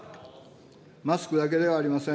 マスクだけではありません。